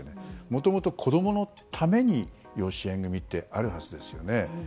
もともと子供のために養子縁組ってあるはずですよね。